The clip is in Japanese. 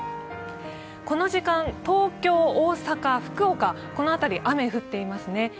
この時間、東京、大阪、福岡、この辺り、雨降っていますね。